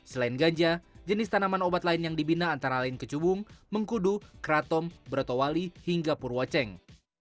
selain ganja jenis tanaman obat lain yang dibina antara lain kecubung mengkudu kraton brotowali hingga purwaceng